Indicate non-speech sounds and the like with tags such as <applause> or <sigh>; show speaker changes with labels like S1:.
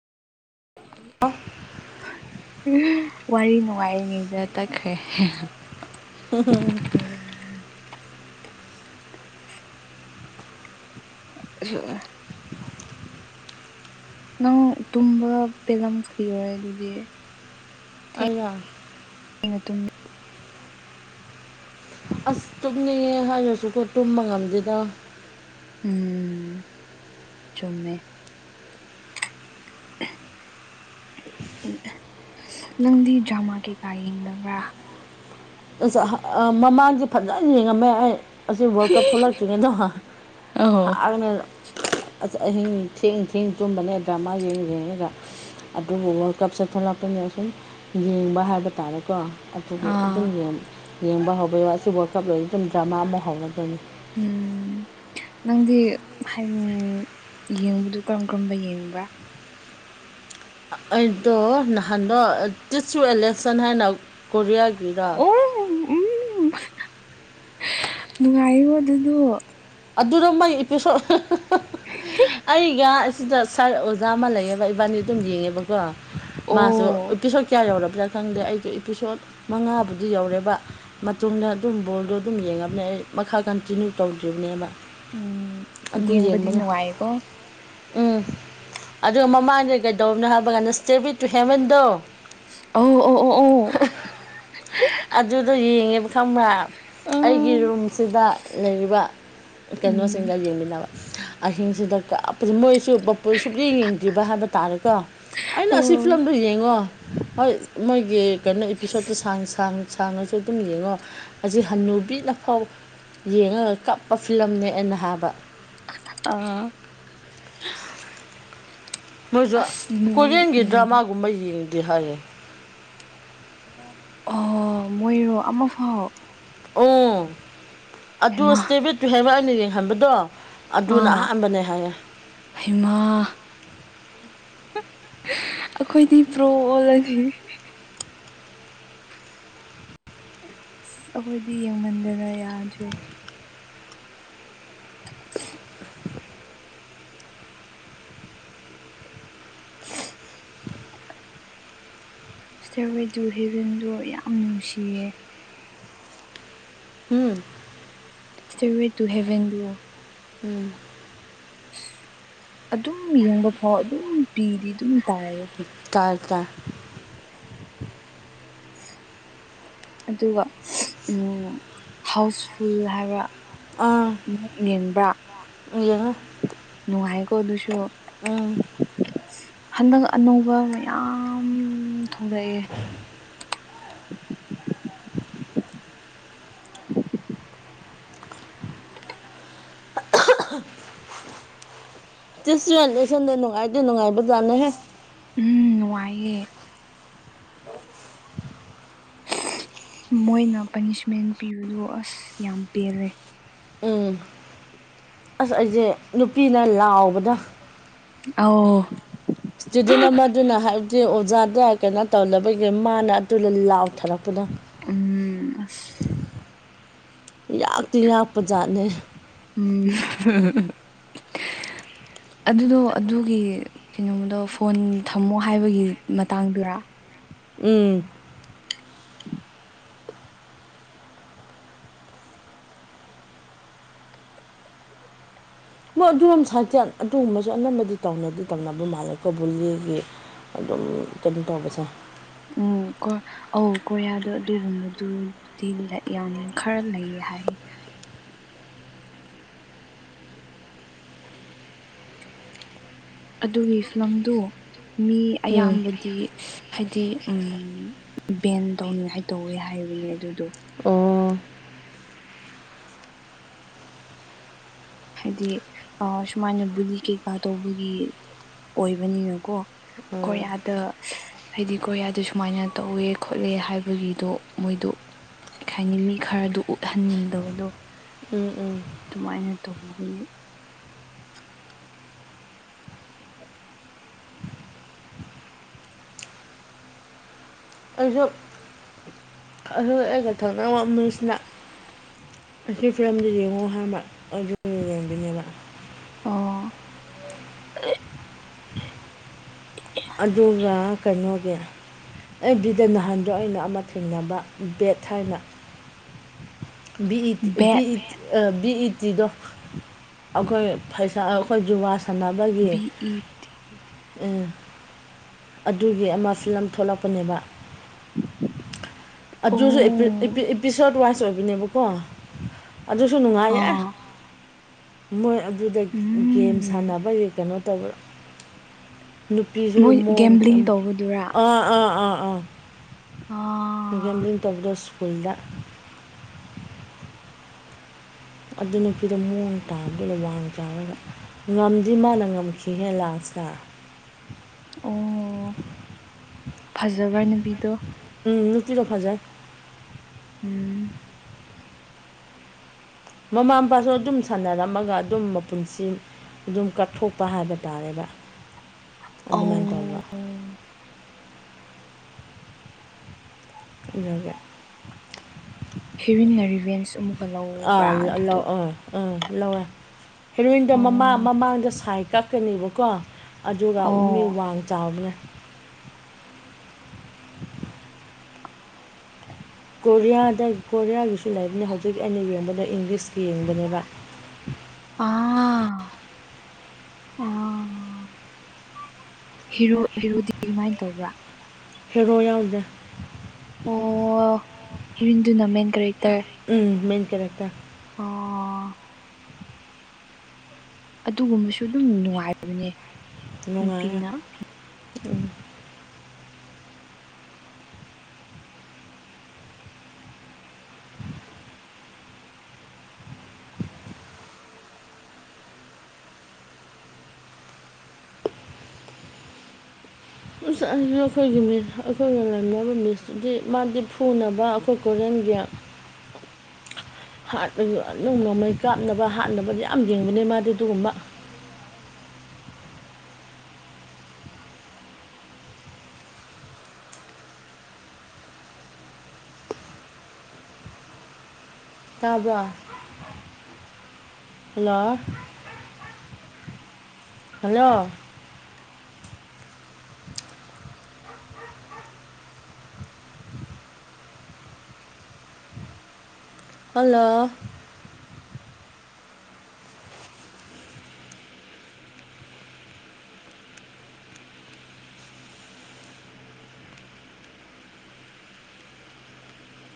S1: <unintelligible> ꯋꯥꯔꯤ ꯅꯨꯡꯉꯥꯏꯔꯤꯉꯩꯗ ꯇꯠꯈ꯭ꯔꯦ
S2: <unintelligible>
S1: <unintelligible> ꯅꯪ ꯇꯨꯝꯕ ꯄꯦꯜꯂꯝ ꯈꯤꯔꯣꯏ ꯑꯗꯨꯗꯤ
S2: ꯑꯩꯔꯥ
S1: ꯑꯩꯅ ꯇꯨꯝ
S2: ꯑꯁ ꯇꯨꯝꯅꯤꯡꯉꯦ ꯍꯥꯏꯔꯁꯨꯀꯣ ꯇꯨꯝꯕ ꯉꯝꯗꯦꯗ
S1: ꯎꯝ ꯆꯨꯝꯃꯦ ꯅꯪꯗꯤ ꯗ꯭ꯔꯃꯥ ꯀꯩꯀꯥ ꯌꯦꯡꯗꯕ꯭ꯔꯥ
S2: ꯑꯁ ꯑꯍꯥ ꯑꯥ ꯃꯃꯥꯡꯗꯤ ꯐꯖꯟ ꯌꯦꯡꯉꯝꯃꯦ ꯑꯩ ꯑꯁꯤ ꯋꯥꯜ ꯀꯞ ꯊꯣꯛꯂꯛꯇ꯭ꯔꯤꯉꯩꯗꯣ <unintelligible>
S1: ꯑꯣ
S2: ꯑꯁ <unintelligible> ꯑꯍꯤꯡ ꯊꯦꯡ ꯊꯦꯡ ꯇꯨꯝꯕꯅꯦ ꯗ꯭ꯔꯃꯥ ꯌꯦꯡ ꯌꯦꯡꯔꯒ ꯑꯗꯨꯕꯨ ꯋꯥꯔꯜ ꯀꯞꯁꯦ ꯊꯣꯛꯂꯛꯄꯅꯤ ꯑꯁꯨꯝ ꯌꯦꯡꯕ ꯍꯥꯏꯕ ꯇꯥꯔꯦꯀꯣ ꯗꯨꯒꯤ ꯑꯗꯨꯝ
S1: ꯑꯥ
S2: ꯌꯦꯡ ꯌꯦꯡꯕ ꯍꯧꯒ꯭ꯔꯦꯕ ꯑꯁꯤ ꯋꯥꯔꯜ ꯀꯞ ꯂꯣꯏ ꯃꯇꯨꯡ ꯗ꯭ꯔꯃꯥ ꯑꯃꯨꯛ ꯍꯧꯔꯛꯇꯣꯏꯅꯤ
S1: ꯎꯝ ꯅꯪꯗꯤ ꯍꯥꯏꯝ ꯌꯦꯡꯕꯗꯨ ꯀ꯭ꯔꯝ ꯀ꯭ꯔꯝꯕ ꯌꯦꯡꯕ꯭ꯔꯥ
S2: ꯑꯩꯗꯣ ꯅꯍꯥꯟꯗꯣ ꯇꯤꯠꯁ ꯌꯨ ꯑꯦ ꯂꯦꯁꯟ ꯍꯥꯏꯅ ꯀꯣꯔꯤꯌꯥꯒꯤꯔ
S1: ꯑꯣ ꯎꯝ <unintelligible> ꯅꯨꯡꯉꯥꯏꯌꯦꯒꯣ ꯑꯗꯨꯗꯨ
S2: ꯑꯗꯨꯔꯣ ꯃꯩ ꯏꯄꯤꯁꯣꯠ <unintelligible> ꯑꯩꯒ ꯑꯁꯤꯗ ꯁ꯭ꯔꯥ ꯑꯣꯖ ꯑꯣꯖꯥ ꯑꯃꯥ ꯂꯩꯌꯦꯕ ꯏꯕꯥꯅꯤ ꯑꯗꯨꯝ ꯌꯦꯡꯉꯦꯕꯀꯣ ꯃꯥꯁꯨ
S1: ꯑꯣ
S2: ꯏꯄꯤꯁꯣꯠ ꯀꯌꯥ ꯌꯧꯔꯕ꯭ꯔꯖꯥꯠ ꯈꯪꯗꯦ ꯑꯩꯗꯤ ꯏꯄꯤꯁꯣꯠ ꯃꯉꯥꯕꯨꯗꯤ ꯌꯧꯔꯦꯕ ꯃꯇꯨꯡꯗ ꯑꯗꯨꯝ ꯕꯣꯜꯗꯣ ꯑꯗꯨꯝ ꯌꯦꯡꯉꯝꯅꯦ ꯑꯩ ꯃꯈꯥ ꯀꯟꯇꯤꯅ꯭ꯌꯨ ꯇꯧꯗ꯭ꯔꯤꯕꯅꯦꯕ
S1: ꯎꯝ
S2: ꯑꯗꯨ
S1: ꯌꯦꯡꯕꯗꯤ
S2: ꯌꯦꯡꯕꯅꯦ
S1: ꯅꯨꯡꯉꯥꯏꯌꯦꯀꯣ
S2: ꯎꯝ ꯑꯗꯨꯒ ꯃꯃꯥꯡꯗ ꯀꯩꯗꯧꯕꯅꯣ ꯍꯥꯏꯕ ꯀꯥꯟꯗ ꯏꯁ꯭ꯇꯦꯋꯦ ꯇꯨ ꯍꯦꯕꯟꯗꯣ
S1: ꯑꯣ ꯑꯣ ꯑꯣ ꯑꯣ
S2: <unintelligible> <unintelligible> ꯑꯗꯨꯗꯣ ꯌꯦꯡꯉꯦꯕ ꯈꯪꯕ꯭ꯔꯥ
S1: ꯑꯧ ꯑ
S2: ꯑꯩꯒꯤ ꯔꯨꯝꯁꯤꯗ ꯂꯩꯔꯤꯕ
S1: ꯎꯝ
S2: ꯀꯅꯣꯁꯤꯡꯒ ꯌꯦꯡꯃꯤꯟꯅꯕ ꯑꯍꯤꯡꯁꯤꯗ ꯀꯞ ꯃꯣꯏꯁꯨ <unintelligible> ꯌꯦꯡꯗ꯭ꯔꯤꯕ ꯍꯥꯏꯕ ꯇꯥꯔꯦꯀꯣ ꯑꯩꯅ ꯑꯁꯤ
S1: ꯑꯣ
S2: ꯐꯤꯂꯝꯗꯨ ꯌꯦꯡꯉꯣ ꯍꯣꯏ ꯃꯣꯏꯒꯤ ꯀꯩꯅꯣ ꯏꯄꯤꯁꯣꯠꯇꯣ ꯁꯥꯡ ꯁꯥꯡ ꯁꯥꯡꯉꯁꯨ ꯑꯗꯨꯝ ꯌꯦꯡꯉꯣ ꯑꯁꯤ ꯍꯅꯨꯕꯤꯅ ꯐꯥꯎ ꯌꯦꯡꯉꯒ ꯀꯞꯄ ꯐꯤꯂꯝꯅꯦ ꯑꯦꯟꯅ ꯍꯥꯕ
S1: ꯑꯥ
S2: ꯃꯣꯏꯖꯨ ꯀꯣꯔꯤꯌꯟꯒꯤ ꯗ꯭ꯔꯃꯥꯒꯨꯝꯕ ꯌꯦꯡꯗꯦ ꯍꯥꯏꯌꯦ
S1: ꯑꯣ ꯃꯣꯏꯔꯣ ꯑꯃ ꯐꯥꯎ
S2: ꯎ ꯑꯗꯨ
S1: ꯍꯩꯃꯥ
S2: ꯏꯁꯇꯦꯕꯤꯠꯇꯨ ꯍꯦꯕꯟ ꯑꯩꯅ ꯌꯦꯡꯍꯟꯕꯗꯣ ꯑꯗꯨꯅ
S1: ꯑꯥ
S2: ꯑꯍꯥꯟꯕꯅꯦ ꯍꯥꯏꯌꯦ
S1: ꯍꯩꯃꯥ ꯑꯈꯣꯏꯗꯤ ꯄ꯭ꯔꯣ ꯑꯣꯜꯂꯅꯤ ꯑꯁ ꯑꯩꯈꯣꯏꯗꯤ ꯌꯦꯡꯃꯟꯗꯅ ꯌꯥꯗ꯭ꯔꯦ ꯏꯁꯇ꯭ꯌꯔ ꯋꯦ ꯇꯨ ꯍꯦꯕꯟꯗꯣ ꯌꯥꯝ ꯅꯨꯡꯁꯤꯌꯦ
S2: ꯍꯨꯝ
S1: ꯁ꯭ꯇꯦꯌꯔ ꯋꯦ ꯇꯨ ꯍꯦꯕꯟꯗꯨ
S2: ꯎꯝ
S1: ꯑꯗꯨꯝ ꯌꯦꯡꯕ ꯐꯥꯎ ꯑꯗꯨꯝ ꯄꯤꯗꯤ ꯑꯗꯨꯝ ꯇꯥꯏꯌꯦ
S2: ꯇꯥꯏ ꯇꯥꯏ
S1: ꯑꯗꯨꯒ ꯎꯝ ꯍꯥꯎꯁꯐꯨꯜ ꯍꯥꯏꯕ꯭ꯔ
S2: ꯑꯥ ꯌꯦꯡꯉꯦ
S1: ꯅꯨꯡꯉꯥꯏꯀꯣ ꯑꯗꯨꯁꯨ
S2: ꯎꯝ
S1: ꯍꯟꯗꯛ ꯑꯅꯧꯕ ꯃꯌꯥꯝ ꯊꯣꯛꯂꯛꯑꯦ
S2: <unintelligible> ꯇꯤꯁ ꯏꯌꯔ ꯂꯦꯁꯟꯗꯣ ꯅꯨꯡꯉꯥꯏꯗꯤ ꯅꯨꯡꯉꯥꯏꯕꯖꯥꯠꯅꯦꯍꯦ
S1: ꯎꯝ ꯅꯨꯡꯉꯥꯏꯌꯦ ꯃꯣꯏꯅ ꯄꯅꯤꯁꯃꯦꯟ ꯄꯤꯕꯗꯣ ꯑꯁ ꯌꯥꯝ ꯄꯦꯜꯂꯦ
S2: ꯎꯝ ꯑꯁ ꯑꯩꯖꯦ ꯅꯨꯄꯤꯅ ꯂꯥꯎꯕꯗꯣ
S1: ꯑꯥꯎ
S2: ꯏꯁꯇꯨꯗꯦꯟ ꯑꯃꯗꯨꯅ ꯍꯥꯏꯕꯗꯤ ꯑꯣꯖꯥꯗ ꯀꯩꯅꯣ ꯇꯧꯅꯕꯒꯤ ꯃꯥꯅ ꯑꯗꯨꯗ ꯂꯥꯎꯊꯔꯛꯄꯗꯣ
S1: ꯎꯝ ꯑꯁ
S2: ꯌꯥꯛꯇꯤ ꯌꯥꯛꯄꯖꯥꯠꯅꯦ
S1: ꯎꯝ ꯑꯗꯨꯗꯣ ꯑꯗꯨꯒꯤ ꯀꯩꯅꯣꯃꯗꯣ ꯐꯣꯟ ꯊꯝꯃꯣ ꯍꯥꯏꯕꯒꯤ ꯃꯇꯥꯡꯗꯨꯔꯥ
S2: ꯎꯝ ꯃꯣꯏ ꯑꯗꯨꯔꯣꯝ ꯁꯥꯏꯠꯆꯦ ꯑꯗꯨꯒꯨꯝꯕꯁꯨ ꯑꯅꯝꯕꯗꯤ ꯇꯧꯅꯗꯤ ꯇꯧꯅꯕ ꯃꯥꯜꯂꯦꯀꯣ ꯕꯨꯂꯤꯒꯤ ꯑꯗꯨꯝ ꯀꯩꯅꯣ ꯇꯧꯕꯁꯦ
S1: ꯎꯝ ꯀꯣ ꯑꯧ ꯀꯣꯔꯤꯌꯥꯗꯣ ꯑꯗꯨꯒꯨꯝꯕꯗꯨꯗꯤ ꯂꯩ ꯌꯥꯝ ꯈꯔ ꯂꯩ ꯍꯥꯏꯌꯦ ꯑꯗꯨꯒꯤ ꯐꯤꯂꯝꯗꯨ ꯃꯤ
S2: ꯎꯝ
S1: ꯑꯌꯥꯝꯕꯗꯤ ꯍꯥꯏꯗꯤ ꯎꯝ ꯕꯦꯟ ꯇꯧꯅꯤꯡꯉꯥꯏ ꯇꯧꯋꯦ ꯍꯥꯏꯕꯅꯦ ꯑꯗꯨꯗꯣ
S2: ꯑꯣ
S1: ꯍꯥꯏꯗꯤ ꯑ ꯁꯨꯃꯥꯏꯅ ꯕꯨꯂꯤ ꯀꯩꯀꯥ ꯇꯧꯕꯒꯤ ꯑꯣꯏꯕꯅꯤꯅꯀꯣ ꯀꯣꯔꯤꯌꯥꯗ ꯍꯥꯏꯗꯤ ꯀꯣꯔꯤꯌꯥꯗ ꯁꯨꯃꯥꯏꯅ ꯇꯧꯋꯦ ꯈꯣꯠꯂꯦ ꯍꯥꯏꯕꯒꯤꯗꯣ ꯃꯣꯏꯗꯣ ꯀꯩ ꯍꯥꯏꯅꯤ ꯃꯤ ꯈꯔꯗꯨ ꯎꯠꯍꯟꯅꯤꯡꯗꯕꯗꯣ
S2: ꯎꯝ ꯎꯝ
S1: ꯗꯨꯃꯥꯏꯅ ꯇꯧꯕꯒꯤ
S2: ꯑꯩꯖꯨ <unintelligible> ꯑꯩꯒ ꯊꯪꯅꯕ ꯃꯤꯁꯤꯅ ꯑꯁꯤ ꯐꯤꯂꯝꯖꯦ ꯌꯦꯡꯉꯣ ꯍꯥꯏꯕ ꯑꯗꯨ ꯌꯦꯡꯕꯅꯦꯕ
S1: ꯑꯣ <unintelligible>
S2: ꯑꯗꯨꯒ ꯀꯩꯅꯣꯒꯤ ꯑꯦꯐ ꯕꯤꯗ ꯅꯍꯥꯟꯗꯣ ꯑꯩꯅ ꯑꯃ ꯊꯦꯡꯅꯕ ꯕꯦꯠ ꯍꯥꯏꯅ꯫ ꯕꯤ ꯏ ꯇꯤ ꯕꯤ
S1: ꯕꯦꯠ
S2: ꯏ ꯇꯤ ꯑ ꯕꯤ ꯏ ꯇꯤꯗꯣ ꯑꯈꯣꯏ ꯐꯩꯁꯥ ꯑꯩꯈꯣꯏ ꯖꯨꯋꯥ ꯁꯥꯟꯅꯕꯒꯤ
S1: ꯕꯤ ꯏ ꯇꯤ
S2: ꯎꯝ ꯑꯗꯨꯒꯤ ꯑꯃ ꯐꯤꯂꯝ ꯊꯣꯛꯂꯛꯄꯅꯦꯕ꯫ ꯑꯗꯨꯁꯨ ꯑꯦꯄꯤ
S1: ꯑꯣ
S2: ꯑꯦꯄꯤ ꯑꯦꯄꯤꯁꯣꯠ ꯋꯥꯏꯁ ꯑꯣꯏꯕꯅꯦꯕꯀꯣ꯫ ꯑꯗꯨꯁꯨ ꯅꯨꯡꯉꯥꯏꯑꯦ
S1: ꯑꯥ
S2: ꯃꯣꯏ ꯑꯗꯨꯗ ꯒꯦꯝ
S1: ꯎꯝ
S2: ꯁꯥꯟꯅꯕꯒꯤ ꯀꯩꯅꯣ ꯇꯧꯕ꯭ꯔ ꯅꯨꯄꯤꯁꯨ
S1: ꯃꯣꯏ
S2: ꯃꯣ
S1: ꯒꯦꯝꯕ꯭ꯂꯤꯡ ꯇꯧꯕꯗꯨꯔꯥ
S2: <unintelligible> ꯑꯥ ꯑꯥ ꯑꯥ ꯑꯥ
S1: ꯑ
S2: ꯒꯦꯝꯕ꯭ꯂꯤꯡ ꯇꯧꯕꯗꯣ ꯁ꯭ꯀꯨꯜꯗ ꯑꯗꯨ ꯅꯨꯄꯤꯗꯣ ꯃꯑꯣꯡ ꯇꯥꯕꯅꯤꯅꯦ ꯋꯥꯡ ꯆꯥꯎꯔꯒ꯫ ꯉꯝꯗꯤ ꯃꯥꯅ ꯉꯝꯈꯤꯍꯦ ꯂꯥꯁꯇ꯫
S1: ꯑꯣ ꯐꯖꯕ꯭ꯔꯥ ꯅꯨꯄꯤꯗꯣ?
S2: ꯎꯝ ꯅꯨꯨꯄꯤꯗꯣ ꯐꯖꯩ꯫
S1: ꯎꯝ
S2: ꯃꯃꯥ ꯃꯄꯥꯁꯨ ꯑꯗꯨꯝ ꯁꯥꯟꯅꯔꯝꯃꯒ ꯑꯗꯨꯝ ꯃꯄꯨꯟꯁꯤ ꯑꯗꯨꯝ ꯀꯠꯊꯣꯛꯄ ꯍꯥꯏꯕ ꯇꯥꯔꯦꯕ ꯑꯗꯨꯃꯥꯏꯅ ꯇꯧꯕ꯫
S1: ꯑꯧ
S2: ꯏꯟꯅꯒꯦ
S1: ꯍꯤꯔꯨꯏꯟꯅ ꯔꯤꯚꯦꯟꯁ ꯑꯃꯨꯛꯀ ꯂꯧꯕ꯭ꯔꯥ ꯑꯗꯨꯗꯣ?
S2: ꯑ ꯂꯧꯋꯦ꯫ ꯍꯦꯔꯣꯏꯟꯗꯣ ꯃꯃꯥꯡ
S1: ꯑꯣ
S2: ꯃꯃꯥꯡꯗ ꯁꯥꯏ ꯀꯛꯀꯅꯤꯕꯀꯣ꯫ ꯑꯗꯨꯒ ꯃꯤ
S1: ꯑꯣ
S2: ꯋꯥꯡ ꯆꯥꯎꯕꯅꯦ꯫ ꯀꯣꯔꯤꯌꯥꯗ ꯀꯣꯔꯤꯌꯥꯒꯤꯁꯨ ꯂꯩꯕꯅꯤ ꯍꯧꯖꯤꯛ ꯑꯩꯅ ꯌꯦꯡꯕꯗ ꯏꯪꯂꯤꯁꯀꯤ ꯌꯦꯡꯕꯅꯦꯕ꯫
S1: ꯑꯥ ꯑ ꯑ ꯍꯤꯔꯣ ꯍꯤꯔꯣꯗꯤ ꯀꯃꯥꯏ ꯇꯧꯕ꯭ꯔꯥ?
S2: ꯍꯦꯔꯣ ꯌꯥꯎꯗꯦ꯫
S1: ꯑꯣ ꯍꯦꯔꯣꯏꯟꯗꯨꯨꯅ ꯃꯦꯟ ꯀꯦꯔꯦꯛꯇꯔ꯫
S2: ꯎꯝ ꯃꯦꯟ ꯀꯦꯔꯦꯛꯇꯔ꯫
S1: ꯑꯣ ꯑꯗꯨꯒꯨꯝꯕꯁꯨ ꯑꯗꯨꯝ ꯅꯨꯡꯉꯥꯏꯕꯅꯦ꯫
S2: ꯅꯨꯡꯉꯥꯏꯑꯦ
S1: ꯅꯨꯄꯤꯅ
S2: <unintelligible> <unintelligible> ꯑꯩꯈꯣꯏꯒꯤ ꯃꯤꯁ ꯑꯩꯈꯣꯏꯒ ꯂꯩꯃꯤꯟꯅꯕ ꯃꯤꯁꯇꯨꯗꯤ ꯃꯥꯗꯤ ꯐꯨꯅꯕ ꯑꯩꯈꯣꯏ ꯀꯣꯔꯤꯌꯟꯒꯤ <inaudible> ꯍꯥꯠꯄꯖꯨ ꯑꯗꯨꯝ ꯅꯣꯡꯃꯩ ꯀꯥꯞꯅꯕ ꯍꯥꯠꯅꯕꯗꯤ ꯌꯥꯝ ꯌꯦꯡꯕꯅꯦ ꯃꯥꯗꯤ ꯑꯗꯨꯒꯨꯝꯕ ꯇꯥꯕ꯭ꯔꯥ? Hello hello hello